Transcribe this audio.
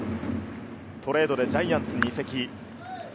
トレードでジャイアンツに移籍。